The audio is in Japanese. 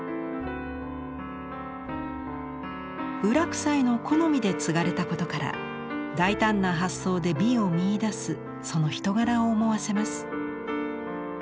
有楽斎の好みで継がれたことから大胆な発想で美を見いだすその人柄を思わせます。